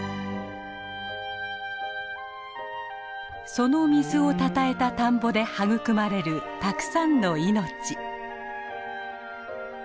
その水をたたえた田んぼで育まれるたくさんの命。